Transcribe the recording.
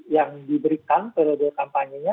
yang diberikan periode kampanye nya